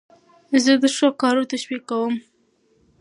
زه د ښو کارو تشویق کوم.